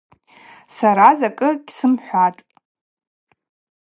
Сара закӏы гьсымхӏватӏ.